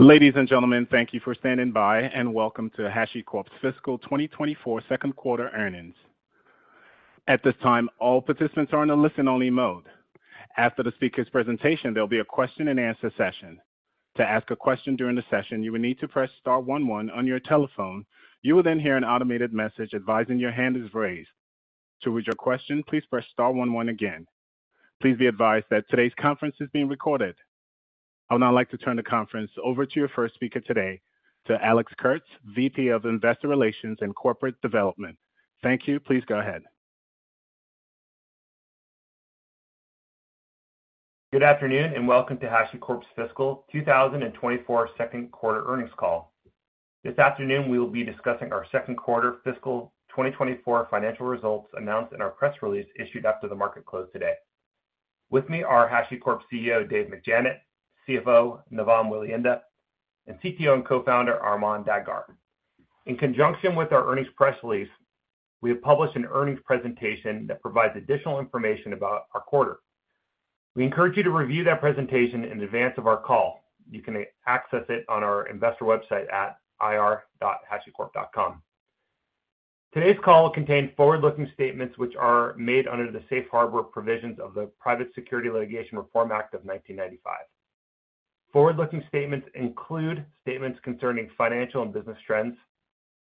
Ladies and gentlemen, thank you for standing by, and welcome to HashiCorp's Fiscal 2024 second quarter earnings. At this time, all participants are in a listen-only mode. After the speaker's presentation, there'll be a question-and-answer session. To ask a question during the session, you will need to press star one one on your telephone. You will then hear an automated message advising your hand is raised. To read your question, please press star one one again. Please be advised that today's conference is being recorded. I would now like to turn the conference over to your first speaker today, to Alex Kurtz, VP of Investor Relations and Corporate Development. Thank you. Please go ahead. Good afternoon, and welcome to HashiCorp's Fiscal 2024 second quarter earnings call. This afternoon, we will be discussing our second quarter fiscal 2024 financial results announced in our press release, issued after the market closed today. With me are HashiCorp CEO Dave McJannet, CFO Navam Welihinda, and CTO and Co-founder Armon Dadgar. In conjunction with our earnings press release, we have published an earnings presentation that provides additional information about our quarter. We encourage you to review that presentation in advance of our call. You can access it on our investor website at ir.hashicorp.com. Today's call will contain forward-looking statements which are made under the safe harbor provisions of the Private Securities Litigation Reform Act of 1995. Forward-looking statements include statements concerning financial and business trends,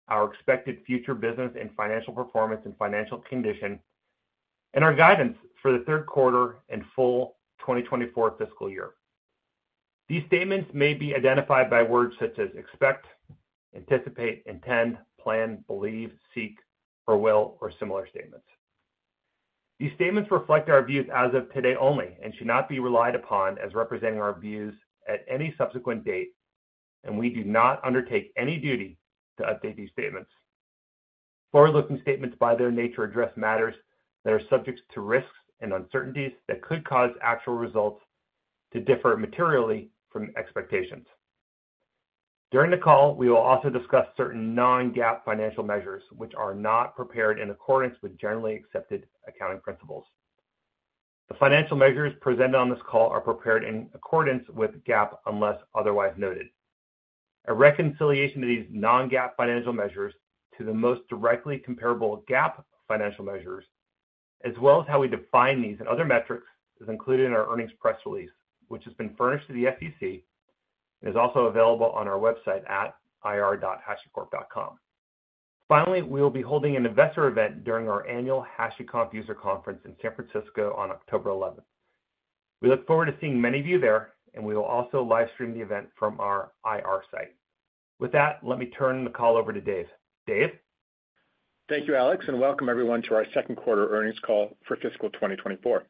our expected future business and financial performance and financial condition, and our guidance for the third quarter and full 2024 fiscal year. These statements may be identified by words such as expect, anticipate, intend, plan, believe, seek, or will, or similar statements. These statements reflect our views as of today only and should not be relied upon as representing our views at any subsequent date, and we do not undertake any duty to update these statements. Forward-looking statements, by their nature, address matters that are subject to risks and uncertainties that could cause actual results to differ materially from expectations. During the call, we will also discuss certain non-GAAP financial measures, which are not prepared in accordance with generally accepted accounting principles. The financial measures presented on this call are prepared in accordance with GAAP, unless otherwise noted. A reconciliation of these non-GAAP financial measures to the most directly comparable GAAP financial measures, as well as how we define these and other metrics, is included in our earnings press release, which has been furnished to the SEC and is also available on our website at ir.hashicorp.com. Finally, we will be holding an investor event during our annual HashiConf User Conference in San Francisco on October 11. We look forward to seeing many of you there, and we will also live stream the event from our IR site. With that, let me turn the call over to Dave. Dave? Thank you, Alex, and welcome everyone to our second quarter earnings call for fiscal 2024.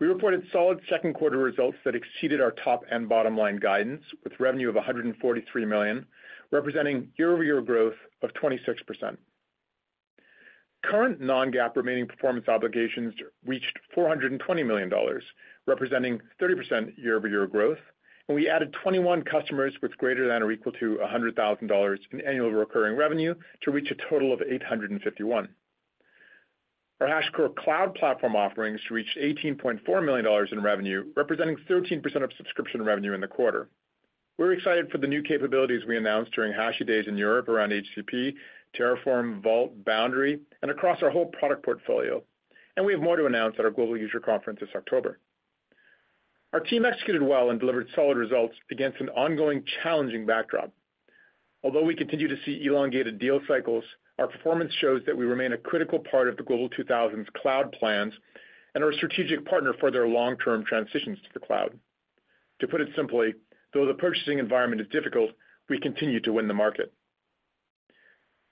We reported solid second quarter results that exceeded our top and bottom line guidance, with revenue of $143 million, representing year-over-year growth of 26%. Current Non-GAAP remaining performance obligations reached $420 million, representing 30% year-over-year growth, and we added 21 customers with greater than or equal to $100,000 in annual recurring revenue to reach a total of 851. Our HashiCorp Cloud Platform offerings reached $18.4 million in revenue, representing 13% of subscription revenue in the quarter. We're excited for the new capabilities we announced during HashiDays in Europe around HCP, Terraform, Vault, Boundary, and across our whole product portfolio, and we have more to announce at our Global User Conference this October. Our team executed well and delivered solid results against an ongoing challenging backdrop. Although we continue to see elongated deal cycles, our performance shows that we remain a critical part of the Global 2000's cloud plans and are a strategic partner for their long-term transitions to the cloud. To put it simply, though the purchasing environment is difficult, we continue to win the market.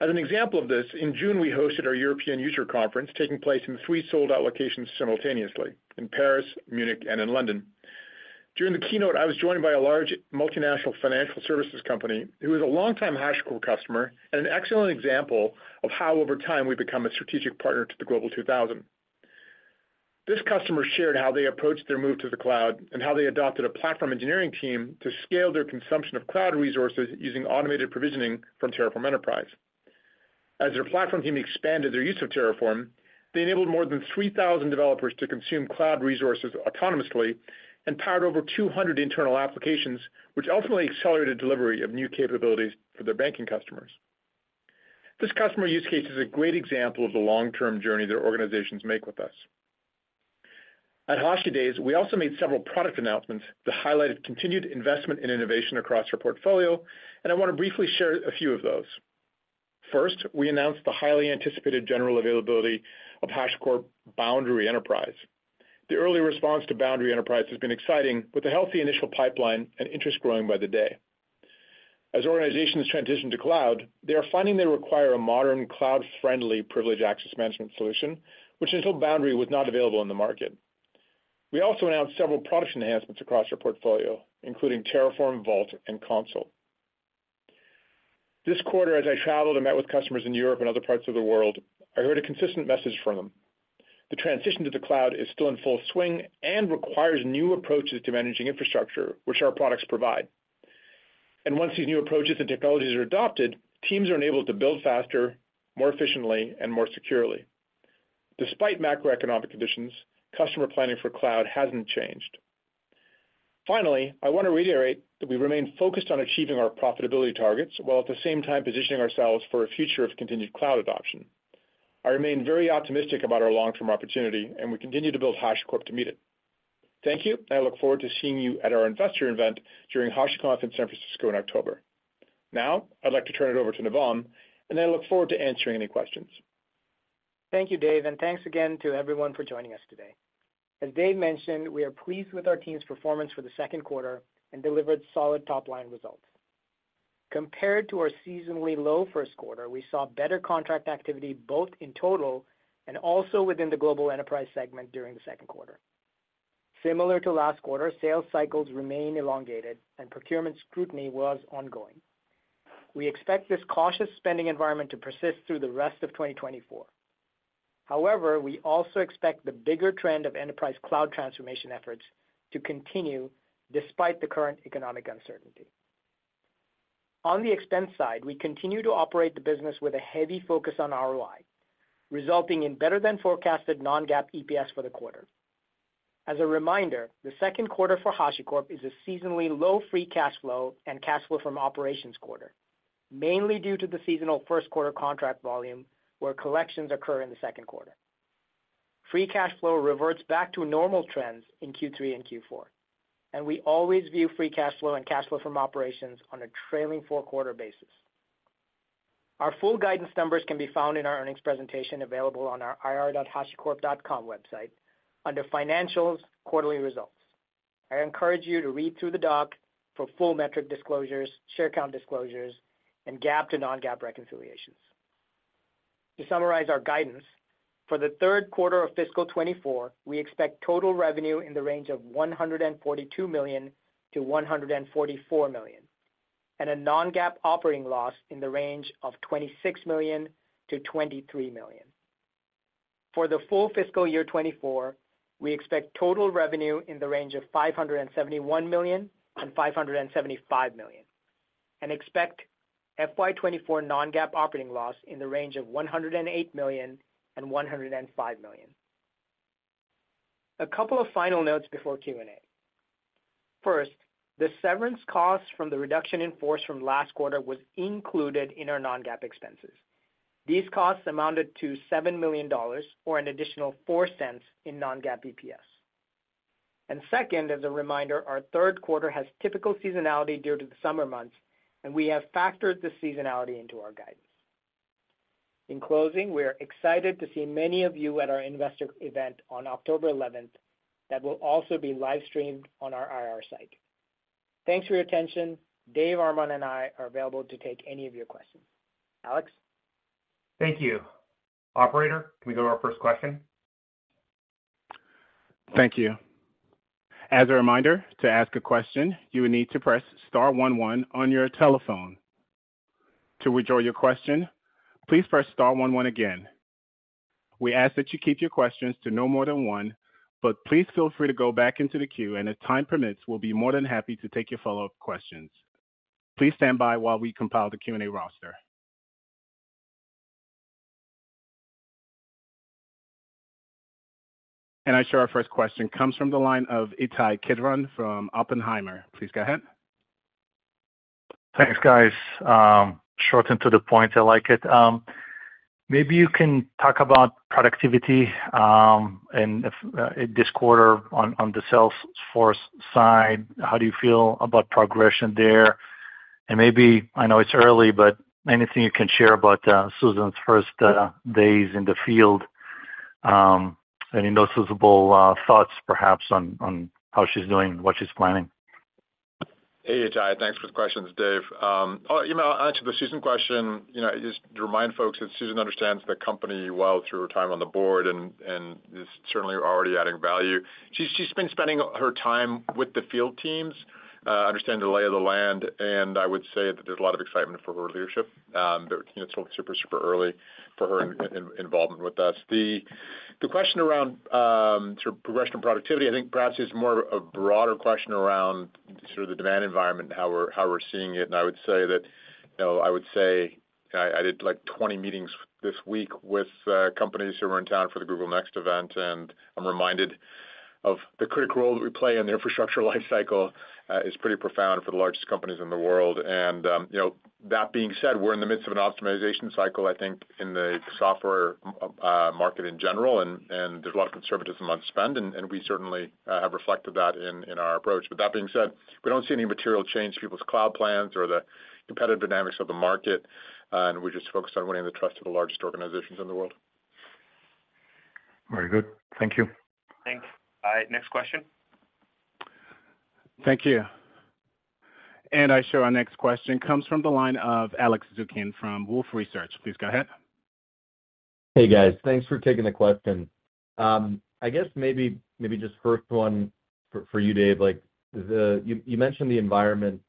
As an example of this, in June, we hosted our European User Conference, taking place in three sold-out locations simultaneously: in Paris, Munich, and in London. During the keynote, I was joined by a large multinational financial services company who is a long-time HashiCorp customer and an excellent example of how, over time, we've become a strategic partner to the Global 2000. This customer shared how they approached their move to the cloud and how they adopted a platform engineering team to scale their consumption of cloud resources using automated provisioning from Terraform Enterprise. As their platform team expanded their use of Terraform, they enabled more than 3,000 developers to consume cloud resources autonomously and powered over 200 internal applications, which ultimately accelerated delivery of new capabilities for their banking customers. This customer use case is a great example of the long-term journey that organizations make with us. At Hashi Days, we also made several product announcements that highlighted continued investment in innovation across our portfolio, and I want to briefly share a few of those. First, we announced the highly anticipated general availability of HashiCorp Boundary Enterprise. The early response to Boundary Enterprise has been exciting, with a healthy initial pipeline and interest growing by the day. As organizations transition to cloud, they are finding they require a modern, cloud-friendly, privileged access management solution, which until Boundary, was not available in the market. We also announced several product enhancements across our portfolio, including Terraform, Vault, and Consul. This quarter, as I traveled and met with customers in Europe and other parts of the world, I heard a consistent message from them. The transition to the cloud is still in full swing and requires new approaches to managing infrastructure, which our products provide. Once these new approaches and technologies are adopted, teams are enabled to build faster, more efficiently, and more securely... Despite macroeconomic conditions, customer planning for cloud hasn't changed. Finally, I want to reiterate that we remain focused on achieving our profitability targets, while at the same time positioning ourselves for a future of continued cloud adoption. I remain very optimistic about our long-term opportunity, and we continue to build HashiCorp to meet it. Thank you, and I look forward to seeing you at our investor event during HashiConf in San Francisco in October. Now, I'd like to turn it over to Navam, and I look forward to answering any questions. Thank you, Dave, and thanks again to everyone for joining us today. As Dave mentioned, we are pleased with our team's performance for the second quarter and delivered solid top-line results. Compared to our seasonally low first quarter, we saw better contract activity, both in total and also within the global enterprise segment during the second quarter. Similar to last quarter, sales cycles remained elongated and procurement scrutiny was ongoing. We expect this cautious spending environment to persist through the rest of 2024. However, we also expect the bigger trend of enterprise cloud transformation efforts to continue despite the current economic uncertainty. On the expense side, we continue to operate the business with a heavy focus on ROI, resulting in better-than-forecasted Non-GAAP EPS for the quarter. As a reminder, the second quarter for HashiCorp is a seasonally low Free Cash Flow and Cash Flow from Operations quarter, mainly due to the seasonal first quarter contract volume, where collections occur in the second quarter. Free Cash Flow reverts back to normal trends in Q3 and Q4, and we always view Free Cash Flow and Cash Flow from Operations on a trailing four-quarter basis. Our full guidance numbers can be found in our earnings presentation, available on our ir.hashicorp.com website under Financials, Quarterly Results. I encourage you to read through the doc for full metric disclosures, share count disclosures, and GAAP to Non-GAAP reconciliations. To summarize our guidance, for the third quarter of fiscal 2024, we expect total revenue in the range of $142 -144 million, and a Non-GAAP operating loss in the range of $26 -23 million. For the full fiscal year 2024, we expect total revenue in the range of $571 -575 million, and expect FY 2024 Non-GAAP operating loss in the range of $108 -105 million. A couple of final notes before Q&A. First, the severance costs from the reduction in force from last quarter was included in our Non-GAAP expenses. These costs amounted to $7 million, or an additional $0.04 in Non-GAAP EPS. And second, as a reminder, our third quarter has typical seasonality due to the summer months, and we have factored the seasonality into our guidance. In closing, we are excited to see many of you at our investor event on October 11th. That will also be live-streamed on our IR site. Thanks for your attention. Dave, Armon, and I are available to take any of your questions. Alex? Thank you. Operator, can we go to our first question? Thank you. As a reminder, to ask a question, you will need to press star one one on your telephone. To withdraw your question, please press star one one again. We ask that you keep your questions to no more than one, but please feel free to go back into the queue, and if time permits, we'll be more than happy to take your follow-up questions. Please stand by while we compile the Q&A roster. I show our first question comes from the line of Ittai Kidron from Oppenheimer. Please go ahead. Thanks, guys. Short and to the point, I like it. Maybe you can talk about productivity, and if this quarter on the sales force side, how do you feel about progression there? And maybe, I know it's early, but anything you can share about Susan's first days in the field, any noticeable thoughts perhaps on how she's doing, what she's planning? Hey, Ittai. Thanks for the questions, Dave. Oh, you know, I'll answer the Susan question. You know, just to remind folks that Susan understands the company well through her time on the board and, and is certainly already adding value. She's, she's been spending her time with the field teams, understanding the lay of the land, and I would say that there's a lot of excitement for her leadership. But, you know, it's super, super early for her involvement with us. The question around sort of progression and productivity, I think perhaps is more of a broader question around sort of the demand environment and how we're seeing it. I would say that, you know, I did, like, 20 meetings this week with companies who are in town for the Google Next event, and I'm reminded of the critical role that we play in the infrastructure life cycle is pretty profound for the largest companies in the world. You know, that being said, we're in the midst of an optimization cycle, I think, in the software market in general, and there's a lot of conservatism on spend, and we certainly have reflected that in our approach. But that being said, we don't see any material change to people's cloud plans or the competitive dynamics of the market, and we're just focused on winning the trust of the largest organizations in the world. Very good. Thank you. Thanks. Thank you. And I show our next question comes from the line of Alex Zukin from Wolfe Research. Please go ahead. Hey, guys. Thanks for taking the question. I guess maybe, maybe just first one for, for you, Dave, like the... You mentioned the environment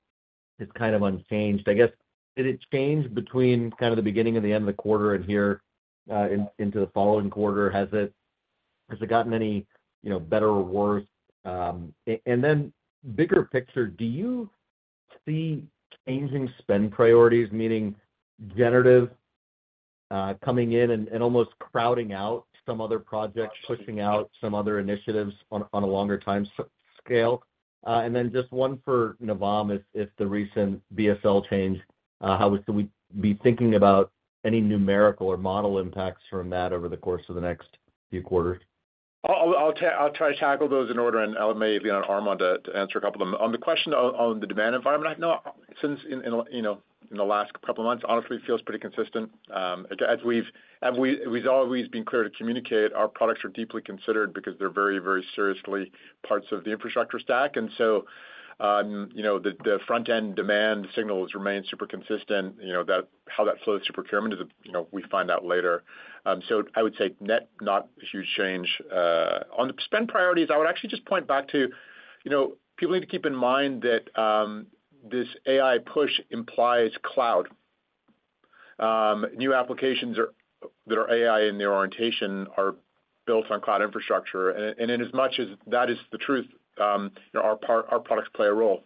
is kind of unchanged. I guess, did it change between kind of the beginning and the end of the quarter and here into the following quarter, has it? Has it gotten any, you know, better or worse? Bigger picture, do you see changing spend priorities, meaning generative coming in and almost crowding out some other projects, pushing out some other initiatives on a longer time scale? Just one for Navam, if the recent BSL change, how should we be thinking about any numerical or model impacts from that over the course of the next few quarters? I'll try to tackle those in order, and I may get on Armon to answer a couple of them. On the question on the demand environment, I know, in the last couple of months, honestly, feels pretty consistent. As we've and we've always been clear to communicate, our products are deeply considered because they're very serious parts of the infrastructure stack. And so, you know, the front-end demand signals remain super consistent. You know, that, how that flows to procurement is, you know, we find out later. So I would say net, not a huge change. On the spend priorities, I would actually just point back to, you know, people need to keep in mind that this AI push implies cloud. New applications that are AI in their orientation are built on cloud infrastructure. And in as much as that is the truth, you know, our products play a role.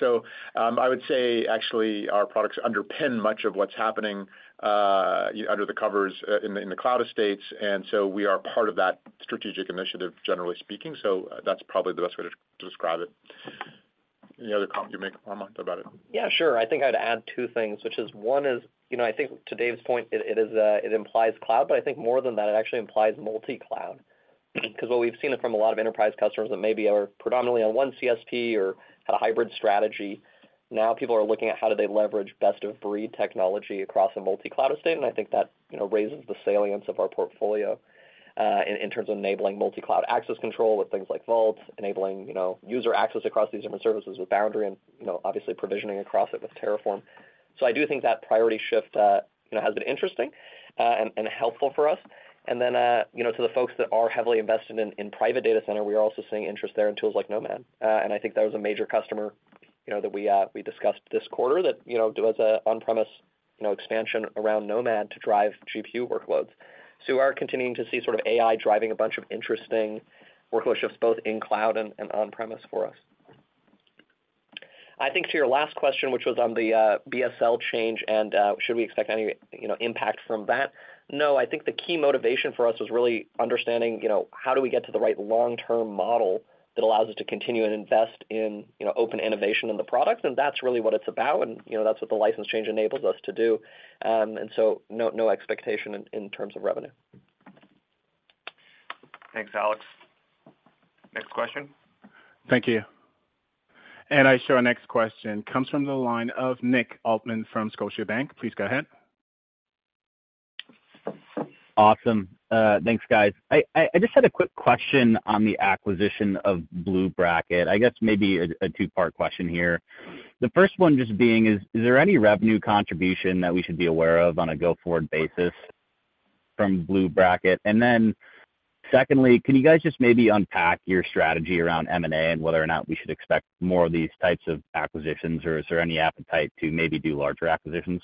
So, I would say actually, our products underpin much of what's happening under the covers in the cloud estates, and so we are part of that strategic initiative, generally speaking. So that's probably the best way to describe it. Any other comment you make, Armon, about it? Yeah, sure. I think I'd add two things, which is one is, you know, I think to Dave's point, it, it is, it implies cloud, but I think more than that, it actually implies multi-cloud. 'Cause what we've seen it from a lot of enterprise customers that maybe are predominantly on one CSP or a hybrid strategy, now people are looking at how do they leverage best of breed technology across a multi-cloud estate, and I think that, you know, raises the salience of our portfolio, in, in terms of enabling multi-cloud access control with things like Vault, enabling, you know, user access across these different services with Boundary and, you know, obviously provisioning across it with Terraform. So I do think that priority shift, you know, has been interesting, and, and helpful for us. And then, you know, to the folks that are heavily invested in private data center, we are also seeing interest there in tools like Nomad. And I think that was a major customer, you know, that we discussed this quarter that, you know, there was an on-premise expansion around Nomad to drive GPU workloads. So we are continuing to see sort of AI driving a bunch of interesting workload shifts, both in cloud and on-premise for us. I think to your last question, which was on the BSL change, and should we expect any, you know, impact from that? No, I think the key motivation for us was really understanding, you know, how do we get to the right long-term model that allows us to continue and invest in, you know, open innovation in the product. That's really what it's about, and, you know, that's what the license change enables us to do. And so no, no expectation in terms of revenue. Thanks, Alex. Next question. Thank you. I show our next question comes from the line of Nick Altmann from Scotiabank. Please go ahead. Awesome. Thanks, guys. I just had a quick question on the acquisition of BlueBracket. I guess maybe a two-part question here. The first one just being, is there any revenue contribution that we should be aware of on a go-forward basis from BlueBracket? And then secondly, can you guys just maybe unpack your strategy around M&A and whether or not we should expect more of these types of acquisitions, or is there any appetite to maybe do larger acquisitions?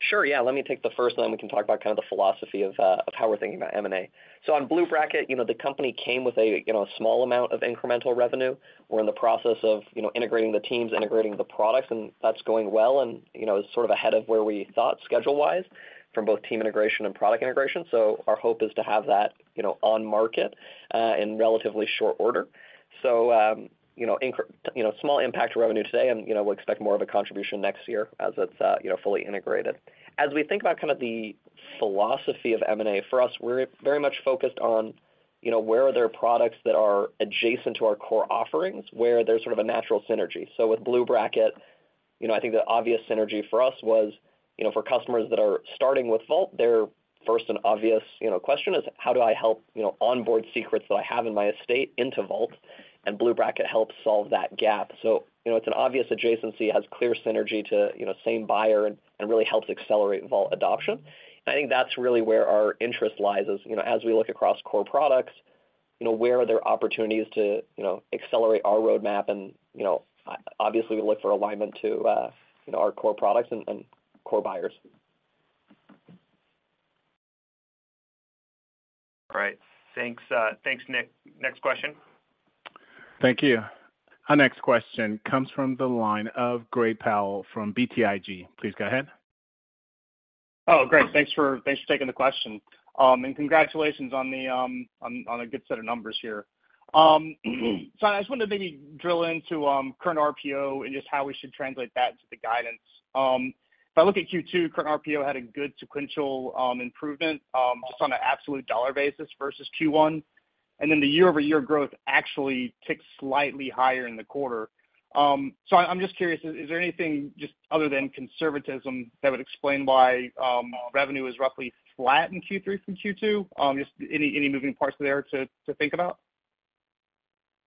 Sure, yeah. Let me take the first one, then we can talk about kind of the philosophy of, of how we're thinking about M&A. So on BlueBracket, you know, the company came with a, you know, a small amount of incremental revenue. We're in the process of, you know, integrating the teams, integrating the products, and that's going well and, you know, sort of ahead of where we thought schedule-wise from both team integration and product integration. So our hope is to have that, you know, on market, in relatively short order. So, you know, small impact to revenue today and, you know, we'll expect more of a contribution next year as it's, you know, fully integrated. As we think about kind of the philosophy of M&A, for us, we're very much focused on, you know, where are there products that are adjacent to our core offerings, where there's sort of a natural synergy. So with BlueBracket, you know, I think the obvious synergy for us was, you know, for customers that are starting with Vault, their first and obvious, you know, question is: How do I help, you know, onboard secrets that I have in my estate into Vault? BlueBracket helps solve that gap. So, you know, it's an obvious adjacency, has clear synergy to, you know, same buyer and, and really helps accelerate Vault adoption. I think that's really where our interest lies is, you know, as we look across core products, you know, where are there opportunities to, you know, accelerate our roadmap and, you know, obviously, we look for alignment to, you know, our core products and core buyers. All right. Thanks, thanks, Nick. Next question. Thank you. Our next question comes from the line of Gary Powell from BTIG. Please go ahead. Oh, great. Thanks for taking the question. Congratulations on a good set of numbers here. So I just wanted to maybe drill into current RPO and just how we should translate that into the guidance. If I look at Q2, current RPO had a good sequential improvement just on an absolute dollar basis versus Q1, and then the year-over-year growth actually ticked slightly higher in the quarter. So I'm just curious, is there anything other than conservatism that would explain why revenue is roughly flat in Q3 from Q2? Just any moving parts there to think about?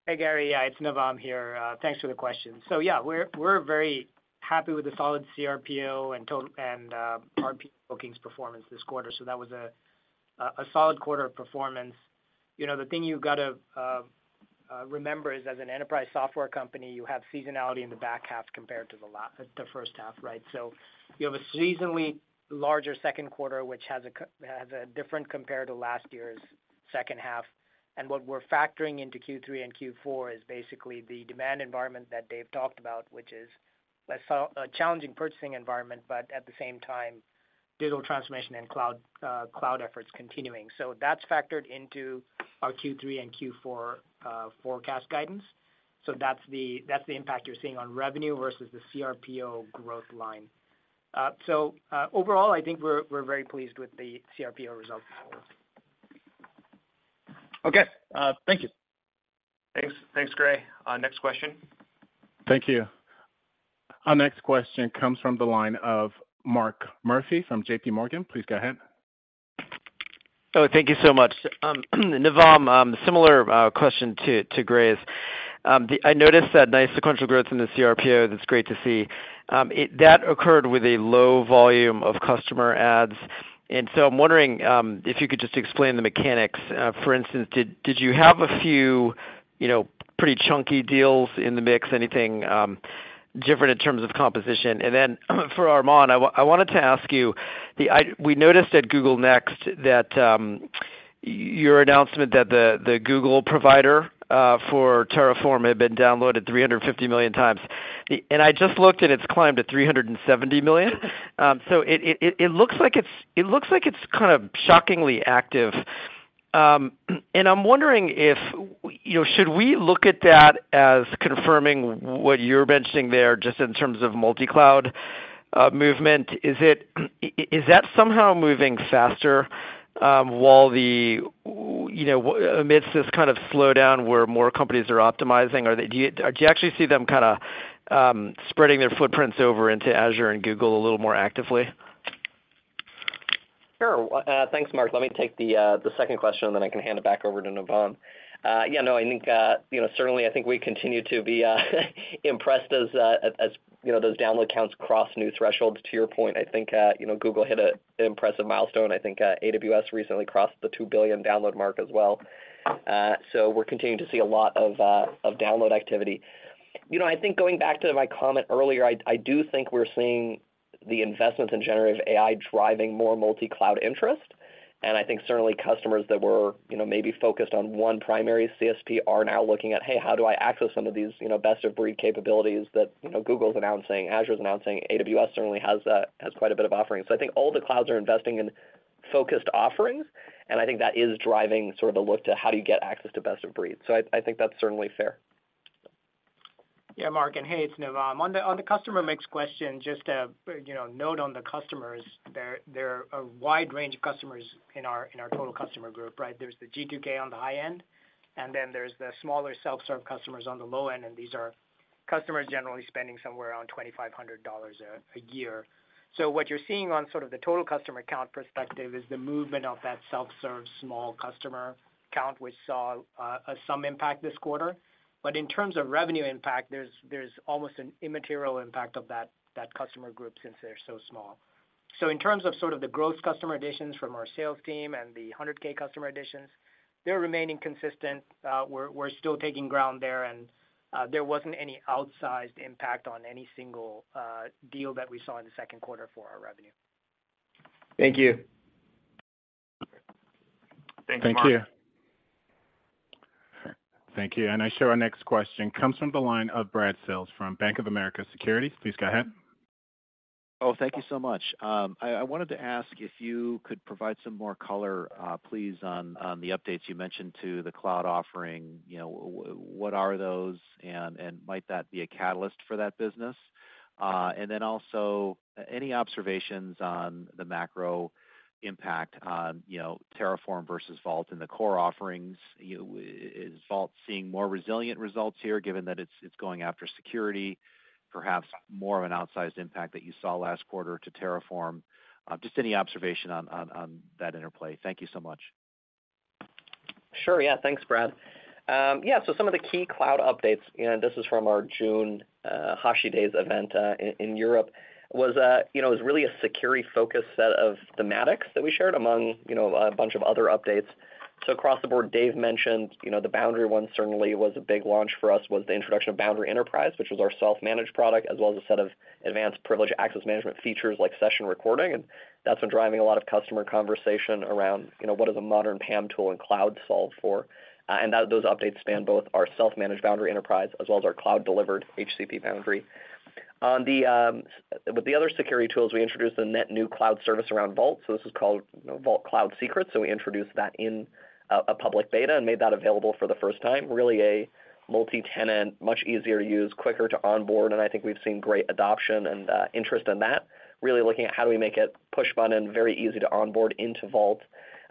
Hey, Gary, yeah, it's Navam here. Thanks for the question. So yeah, we're very happy with the solid CRPO and total and RP bookings performance this quarter. So that was a solid quarter of performance. You know, the thing you've got to remember is, as an enterprise software company, you have seasonality in the back half compared to the first half, right? So you have a seasonally larger second quarter, which has a different compare to last year's second half. And what we're factoring into Q3 and Q4 is basically the demand environment that Dave talked about, which is a challenging purchasing environment, but at the same time, digital transformation and cloud cloud efforts continuing. So that's factored into our Q3 and Q4 forecast guidance. So that's the impact you're seeing on revenue versus the CRPO growth line. So overall, I think we're very pleased with the CRPO results. Okay, thank you. Thanks. Thanks, Gary. Next question. Thank you. Our next question comes from the line of Mark Murphy from JPMorgan. Please go ahead. Oh, thank you so much. Navam, similar question to Gary's. I noticed that nice sequential growth in the CRPO; that's great to see. That occurred with a low volume of customer adds, and so I'm wondering if you could just explain the mechanics. For instance, did you have a few, you know, pretty chunky deals in the mix? Anything different in terms of composition? And then, for Armon, I wanted to ask you, we noticed at Google Next that your announcement that the Google provider for Terraform had been downloaded 350 million times. And I just looked, and it's climbed to 370 million. So it looks like it's kind of shockingly active. I'm wondering if, you know, should we look at that as confirming what you're mentioning there, just in terms of multi-cloud movement? Is it is that somehow moving faster, while the, you know, amidst this kind of slowdown where more companies are optimizing? Or do you, do you actually see them kind of spreading their footprints over into Azure and Google a little more actively? Sure. Thanks, Mark. Let me take the second question, and then I can hand it back over to Navam. Yeah, no, I think you know, certainly, I think we continue to be impressed as you know, those download counts cross new thresholds. To your point, I think you know, Google hit an impressive milestone. I think AWS recently crossed the 2 billion download mark as well. So we're continuing to see a lot of download activity. You know, I think going back to my comment earlier, I do think we're seeing the investments in generative AI driving more multi-cloud interest. I think certainly customers that were, you know, maybe focused on one primary CSP are now looking at, "Hey, how do I access some of these, you know, best-of-breed capabilities that, you know, Google's announcing, Azure's announcing?" AWS certainly has has quite a bit of offerings. So I think that's certainly fair. Yeah, Mark, and hey, it's Navam. On the, on the customer mix question, just to, you know, note on the customers, there, there are a wide range of customers in our, in our total customer group, right? There's the G2K on the high end, and then there's the smaller self-serve customers on the low end, and these are customers generally spending somewhere around $2,500 a year. So what you're seeing on sort of the total customer count perspective is the movement of that self-serve small customer count, which saw some impact this quarter. But in terms of revenue impact, there's, there's almost an immaterial impact of that, that customer group since they're so small. So in terms of sort of the growth customer additions from our sales team and the 100K customer additions, they're remaining consistent. We're still taking ground there, and there wasn't any outsized impact on any single deal that we saw in the second quarter for our revenue. Thank you. Thanks, Mark. Thank you. Thank you. Our next question comes from the line of Brad Sills from Bank of America Securities. Please go ahead. Oh, thank you so much. I wanted to ask if you could provide some more color, please, on the updates you mentioned to the cloud offering. You know, what are those, and might that be a catalyst for that business? Also, any observations on the macro impact on, you know, Terraform versus Vault in the core offerings? You know, is Vault seeing more resilient results here, given that it's going after security, perhaps more of an outsized impact that you saw last quarter to Terraform? Just any observation on that interplay. Thank you so much. Sure. Yeah. Thanks, Brad. Yeah, so some of the key cloud updates, and this is from our June Hashi Days event in Europe, was really a security-focused set of thematics that we shared among a bunch of other updates. So across the board, Dave mentioned the Boundary one certainly was a big launch for us, was the introduction of Boundary Enterprise, which was our self-managed product, as well as a set of advanced privileged access management features like session recording, and that's been driving a lot of customer conversation around what does a modern PAM tool and cloud solve for? Those updates span both our self-managed Boundary Enterprise as well as our cloud-delivered HCP Boundary. On the, with the other security tools, we introduced a net new cloud service around Vault, so this is called Vault Cloud Secrets. So we introduced that in a public beta and made that available for the first time. Really a multi-tenant, much easier to use, quicker to onboard, and I think we've seen great adoption and interest in that. Really looking at how do we make it push-button, very easy to onboard into Vault,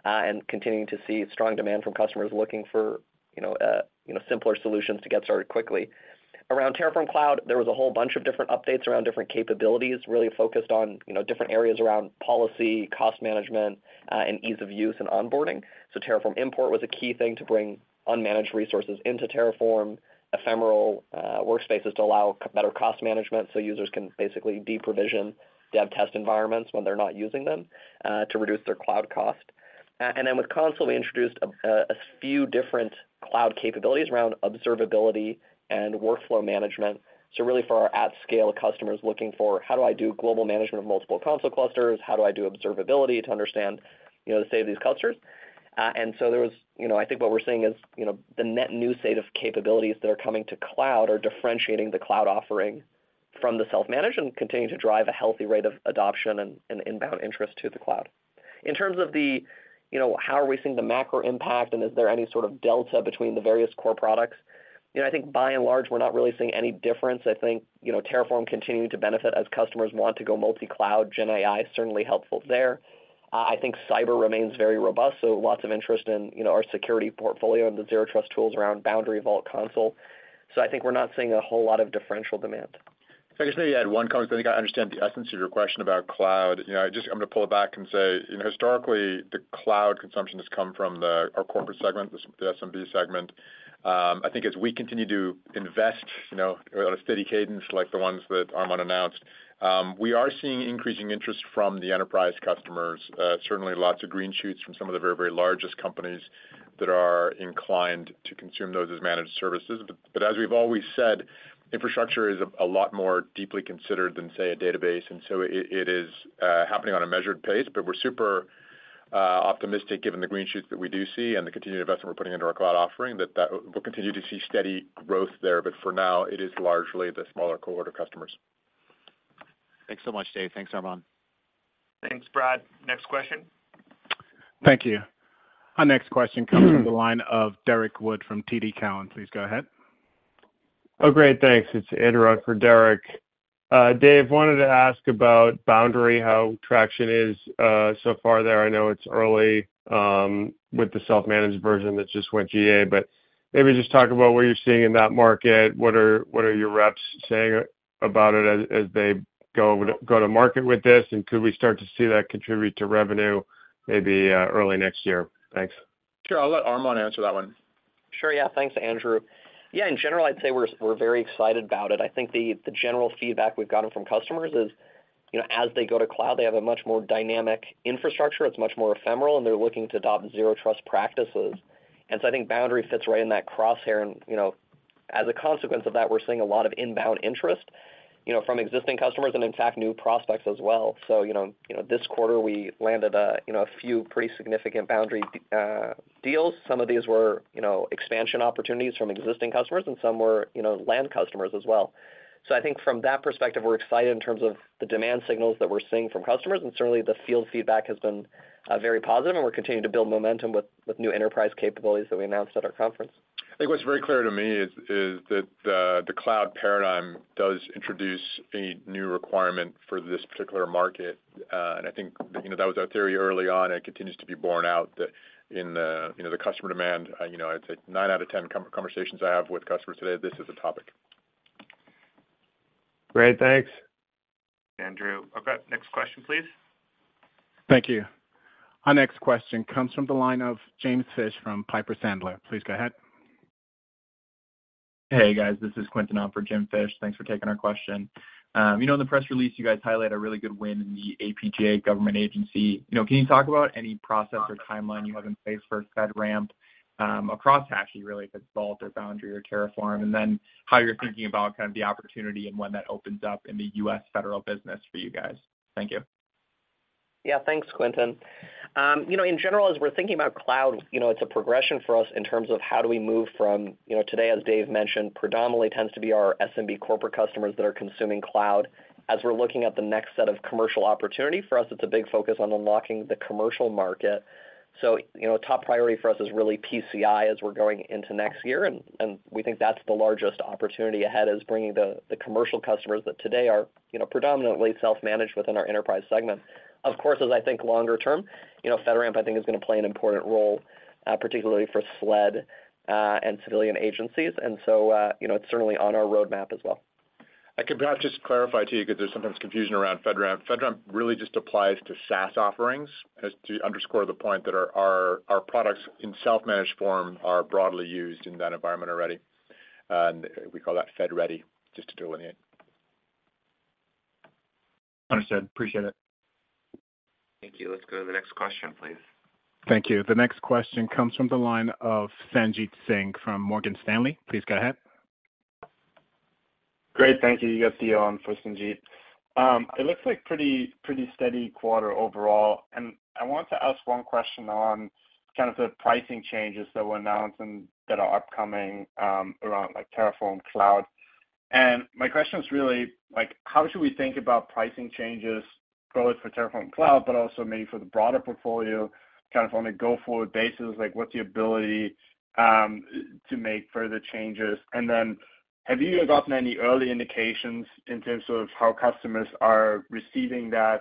and continuing to see strong demand from customers looking for, you know, you know, simpler solutions to get started quickly. Around Terraform Cloud, there was a whole bunch of different updates around different capabilities, really focused on, you know, different areas around policy, cost management, and ease of use and onboarding. So Terraform Import was a key thing to bring unmanaged resources into Terraform. Ephemeral workspaces to allow better cost management, so users can basically deprovision dev test environments when they're not using them to reduce their cloud cost. With Consul, we introduced a few different cloud capabilities around observability and workflow management. So really for our at-scale customers looking for: how do I do global management of multiple Consul clusters? How do I do observability to understand, you know, the state of these clusters? So you know, I think what we're seeing is, you know, the net new set of capabilities that are coming to cloud are differentiating the cloud offering from the self-managed and continuing to drive a healthy rate of adoption and inbound interest to the cloud. In terms of the, you know, how are we seeing the macro impact, and is there any sort of delta between the various core products? You know, I think by and large, we're not really seeing any difference. I think, you know, Terraform continuing to benefit as customers want to go multi-cloud. GenAI is certainly helpful there. I think cyber remains very robust, so lots of interest in, you know, our security portfolio and the Zero Trust tools around Boundary, Vault, Consul. So I think we're not seeing a whole lot of differential demand. I just maybe add one comment, 'cause I think I understand the essence of your question about cloud. You know, I just—I'm gonna pull it back and say, you know, historically, the cloud consumption has come from the, our corporate segment, the SMB segment. I think as we continue to invest, you know, on a steady cadence, like the ones that Armon announced, we are seeing increasing interest from the enterprise customers. Certainly lots of green shoots from some of the very, very largest companies that are inclined to consume those as managed services. But as we've always said, infrastructure is a lot more deeply considered than, say, a database, and so it is happening on a measured pace. But we're super optimistic, given the green shoots that we do see and the continued investment we're putting into our cloud offering, that we'll continue to see steady growth there. But for now, it is largely the smaller quarter customers. Thank you. Our next question comes from the line of Derek Wood from TD Cowen. Please go ahead. Oh, great, thanks. It's Andrew in for Derek. Dave, wanted to ask about Boundary, how traction is so far there. I know it's early, with the self-managed version that just went GA, but maybe just talk about what you're seeing in that market. What are your reps saying about it as they go to market with this? Could we start to see that contribute to revenue maybe early next year? Thanks. Sure. I'll let Armon answer that one. Sure, yeah. Thanks, Andrew. Yeah, in general, I'd say we're very excited about it. I think the general feedback we've gotten from customers is, you know, as they go to cloud, they have a much more dynamic infrastructure. It's much more ephemeral, and they're looking to adopt Zero Trust practices. So I think Boundary fits right in that crosshair. You know, as a consequence of that, we're seeing a lot of inbound interest, you know, from existing customers and, in fact, new prospects as well. So, you know, this quarter, we landed a, you know, a few pretty significant Boundary deals. Some of these were, you know, expansion opportunities from existing customers, and some were, you know, land customers as well. So I think from that perspective, we're excited in terms of the demand signals that we're seeing from customers, and certainly the field feedback has been very positive, and we're continuing to build momentum with new enterprise capabilities that we announced at our conference. I think what's very clear to me is that the cloud paradigm does introduce a new requirement for this particular market. I think, you know, that was our theory early on, and it continues to be borne out that in the, you know, the customer demand. You know, I'd say 9 out of 10 conversations I have with customers today, this is a topic. Great, thanks. Thank you. Our next question comes from the line of James Fish from Piper Sandler. Please go ahead. Hey, guys. This is Quentin on for Jim Fish. Thanks for taking our question. You know, in the press release, you guys highlight a really good win in the APAC government agency. You know, can you talk about any process or timeline you have in place for FedRAMP across Hashi, really, if it's Vault or Boundary or Terraform? How you're thinking about kind of the opportunity and when that opens up in the U.S. federal business for you guys. Thank you. Yeah, thanks, Quentin. You know, in general, as we're thinking about cloud, you know, it's a progression for us in terms of how do we move from. You know, today, as Dave mentioned, predominantly tends to be our SMB corporate customers that are consuming cloud. As we're looking at the next set of commercial opportunity, for us, it's a big focus on unlocking the commercial market. So, you know, top priority for us is really PCI as we're going into next year, and we think that's the largest opportunity ahead, is bringing the commercial customers that today are, you know, predominantly self-managed within our enterprise segment. Of course, as I think longer term, you know, FedRAMP, I think, is gonna play an important role, particularly for SLED, and civilian agencies. So, you know, it's certainly on our roadmap as well. I could perhaps just clarify to you because there's sometimes confusion around FedRAMP. FedRAMP really just applies to SaaS offerings, as to underscore the point that our products in self-managed form are broadly used in that environment already, and we call that FedRAMP, just to delineate. Understood. Appreciate it. Thank you. The next question comes from the line of Sanjit Singh from Morgan Stanley. Please go ahead. Great. Thank you, you got Theo on for Sanjit. It looks like pretty, pretty steady quarter overall, and I want to ask one question on kind of the pricing changes that were announced and that are upcoming, around, like, Terraform Cloud. My question is really, like, how should we think about pricing changes, both for Terraform Cloud, but also maybe for the broader portfolio? Kind of on a go-forward basis, like, what's the ability, to make further changes? Have you gotten any early indications in terms of how customers are receiving that?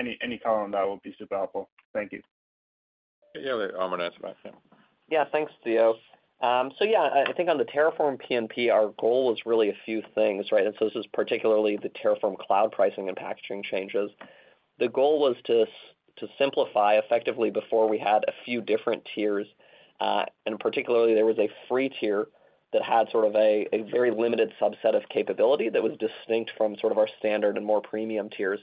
Any, any comment on that will be super helpful. Thank you. Yeah, I'm gonna answer that one. Yeah, thanks, Theo. So yeah, I think on the Terraform P&P, our goal is really a few things, right? So this is particularly the Terraform Cloud pricing and packaging changes. The goal was to simplify. Effectively, before, we had a few different tiers, and particularly there was a free tier that had sort of a very limited subset of capability that was distinct from sort of our standard and more premium tiers.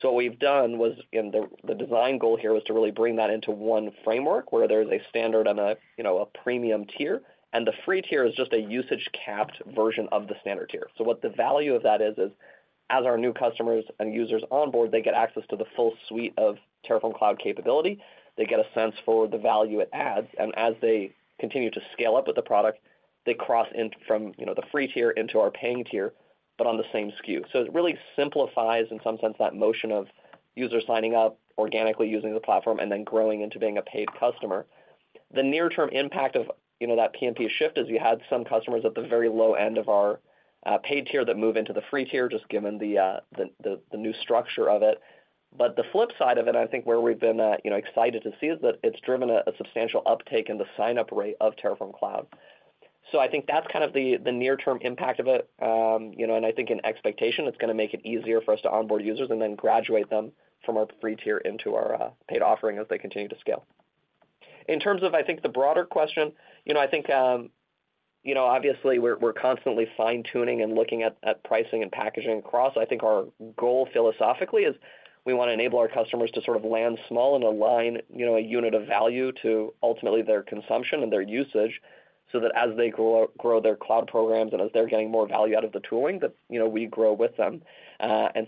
So what we've done was, and the design goal here, was to really bring that into one framework, where there's a standard and, you know, a premium tier. The free tier is just a usage-capped version of the standard tier. So what the value of that is as our new customers and users onboard, they get access to the full suite of Terraform Cloud capability. They get a sense for the value it adds, and as they continue to scale up with the product, they cross in from, you know, the free tier into our paying tier, but on the same SKU. So it really simplifies, in some sense, that motion of users signing up, organically using the platform, and then growing into being a paid customer. The near term impact of, you know, that P&P shift is we had some customers at the very low end of our paid tier that move into the free tier, just given the new structure of it. But the flip side of it, I think where we've been, you know, excited to see, is that it's driven a substantial uptake in the sign-up rate of Terraform Cloud. So I think that's kind of the near term impact of it. You know, and I think in expectation, it's gonna make it easier for us to onboard users and then graduate them from our free tier into our paid offering as they continue to scale. In terms of, I think, the broader question, you know, I think, you know, obviously we're, we're constantly fine-tuning and looking at, at pricing and packaging across. I think our goal philosophically is we wanna enable our customers to sort of land small and align, you know, a unit of value to ultimately their consumption and their usage, so that as they grow, grow their cloud programs and as they're getting more value out of the tooling, that, you know, we grow with them.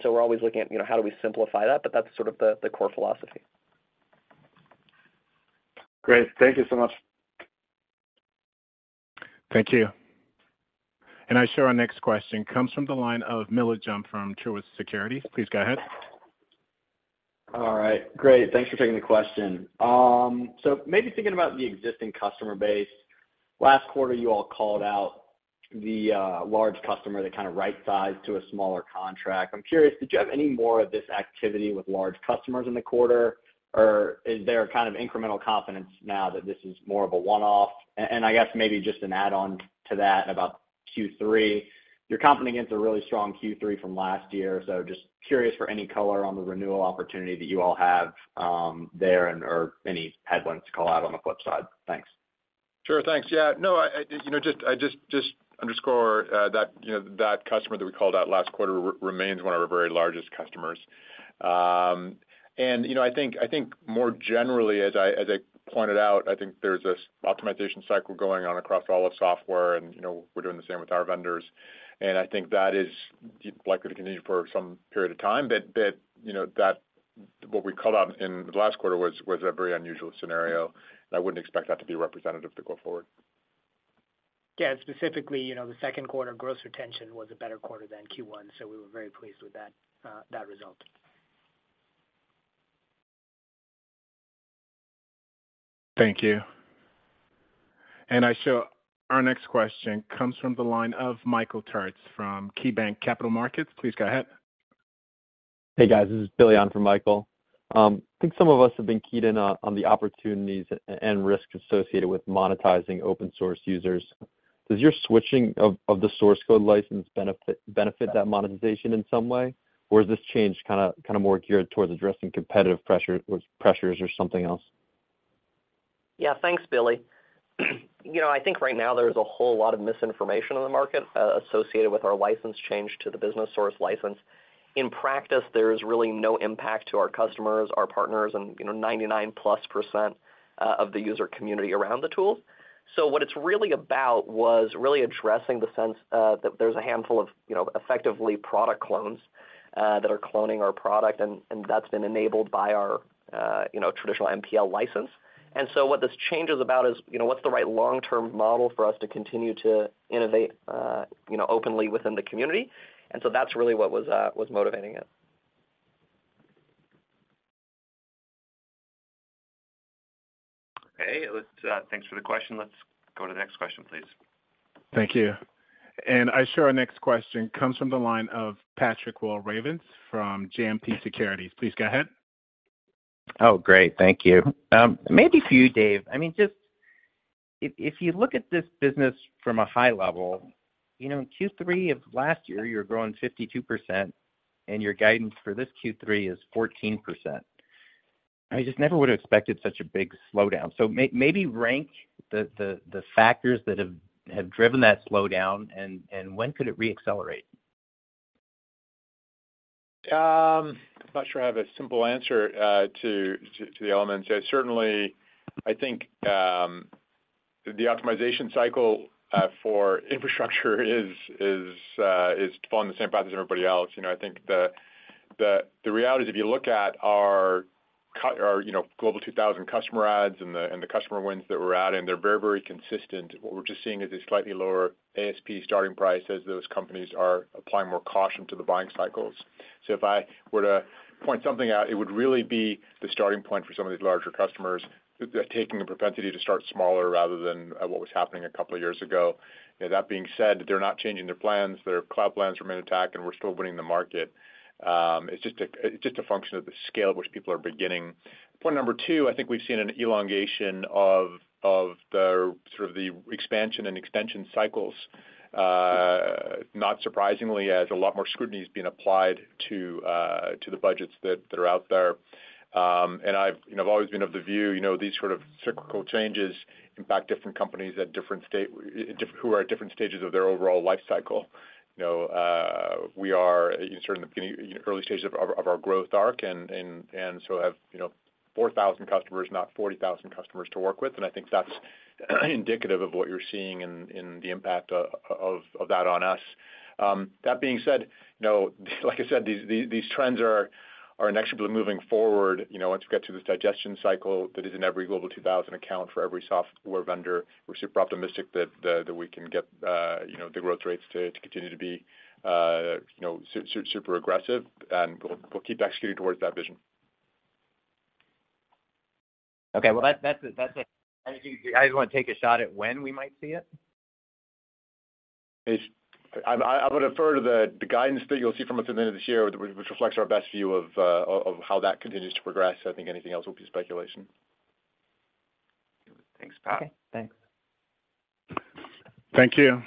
So we're always looking at, you know, how do we simplify that? But that's sort of the, the core philosophy. Great. Thank you so much. Thank you. I show our next question comes from the line of Miller Jump from Truist Securities. Please go ahead. All right. Great, thanks for taking the question. So maybe thinking about the existing customer base, last quarter, you all called out the large customer that kind of right-sized to a smaller contract. I'm curious, did you have any more of this activity with large customers in the quarter? Or is there a kind of incremental confidence now that this is more of a one-off? I guess maybe just an add-on to that about Q3. You're competing against a really strong Q3 from last year, so just curious for any color on the renewal opportunity that you all have there, and or any headwinds to call out on the flip side. Thanks. Sure. Thanks. Yeah. No, you know, just... I just underscore that, you know, that customer that we called out last quarter remains one of our very largest customers. You know, I think more generally, as I pointed out, I think there's this optimization cycle going on across all of software, and, you know, we're doing the same with our vendors. I think that is likely to continue for some period of time. But, you know, that what we called out in the last quarter was a very unusual scenario, and I wouldn't expect that to be representative to go forward. Yeah, specifically, you know, the second quarter gross retention was a better quarter than Q1, so we were very pleased with that, that result. Thank you. Our next question comes from the line of Michael Turits from KeyBanc Capital Markets. Please go ahead. Hey, guys, this is Billy on for Michael. I think some of us have been keyed in on the opportunities and risks associated with monetizing open source users. Does your switching of the source code license benefit that monetization in some way? Or is this change kinda more geared towards addressing competitive pressures or something else? Yeah. Thanks, Billy. You know, I think right now there's a whole lot of misinformation in the market associated with our license change to the Business Source License. In practice, there's really no impact to our customers, our partners, and, you know, 99%+ of the user community around the tools. So what it's really about was really addressing the sense that there's a handful of, you know, effectively product clones that are cloning our product, and that's been enabled by our traditional MPL license. So what this change is about is, you know, what's the right long-term model for us to continue to innovate openly within the community? So that's really what was motivating it. Okay. Thanks for the question. Let's go to the next question, please. Thank you. I show our next question comes from the line of Patrick Walravens from JMP Securities. Please go ahead. Oh, great. Thank you. Maybe for you, Dave. I mean, just if you look at this business from a high level, you know, in Q3 of last year, you were growing 52%, and your guidance for this Q3 is 14%. I just never would have expected such a big slowdown. So maybe rank the factors that have driven that slowdown, and when could it reaccelerate? I'm not sure I have a simple answer to the elements. Certainly, I think, the optimization cycle for infrastructure is following the same path as everybody else. You know, I think the reality is, if you look at our, you know, Global 2000 customer adds and the customer wins that we're adding, they're very, very consistent. What we're just seeing is a slightly lower ASP starting price as those companies are applying more caution to the buying cycles. So if I were to point something out, it would really be the starting point for some of these larger customers. They're taking a propensity to start smaller rather than what was happening a couple of years ago. That being said, they're not changing their plans. Their cloud plans remain intact, and we're still winning the market. It's just a function of the scale at which people are beginning. Point number two, I think we've seen an elongation of the sort of the expansion and extension cycles, not surprisingly, as a lot more scrutiny is being applied to the budgets that are out there. I've, you know, I've always been of the view, you know, these sort of cyclical changes impact different companies at different stages of their overall life cycle. You know, we are in sort of the beginning, early stages of our growth arc, and so have 4,000 customers, not 40,000 customers to work with, and I think that's indicative of what you're seeing in the impact of that on us. That being said, you know, like I said, these trends are inevitably moving forward. You know, once we get through this digestion cycle that is in every Global 2000 account for every software vendor, we're super optimistic that we can get the growth rates to continue to be super aggressive, and we'll keep executing towards that vision. Okay. Well, that's a... Do you guys want to take a shot at when we might see it? I would defer to the guidance that you'll see from us at the end of this year, which reflects our best view of how that continues to progress. I think anything else will be speculation. Thank you.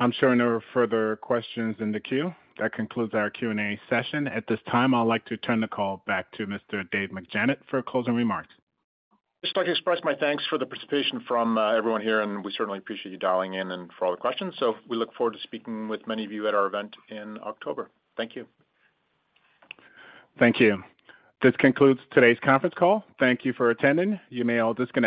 I'm showing no further questions in the queue. That concludes our Q&A session. At this time, I'd like to turn the call back to Mr. Dave McJannet for closing remarks. Just like to express my thanks for the participation from everyone here, and we certainly appreciate you dialing in and for all the questions. So we look forward to speaking with many of you at our event in October. Thank you. Thank you. This concludes today's conference call. Thank you for attending. You may all disconnect.